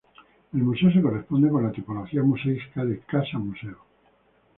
El Museo se corresponde con la tipología museística de casa-museo.